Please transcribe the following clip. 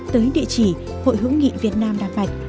tới địa chỉ hội hữu nghị việt nam đà mạch